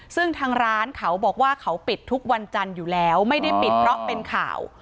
ซึ่งทางร้านเขาบอกว่าเขาปิดทุกวันจันทร์อยู่แล้วไม่ได้ปิดเพราะเป็นข่าว